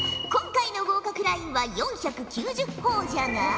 今回の合格ラインは４９０ほぉじゃが